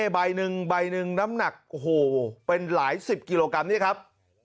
ใบหนึ่งใบหนึ่งน้ำหนักโอ้โหเป็นหลายสิบกิโลกรัมนี่ครับ